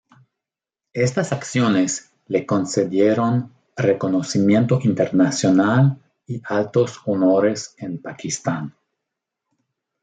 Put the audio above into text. Estas acciones le concedieron reconocimiento internacional y altos honores en Pakistán.